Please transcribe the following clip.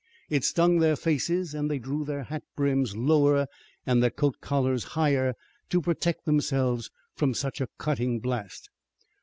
It stung their faces, and they drew their hat brims lower and their coat collars higher to protect themselves from such a cutting blast.